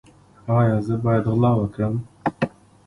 ایا زه باید غلا وکړم؟